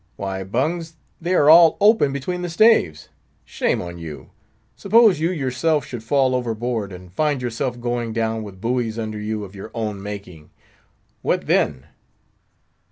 Why, Bungs, they are all open between the staves. Shame on you! Suppose you yourself should fall over board, and find yourself going down with buoys under you of your own making—what then?"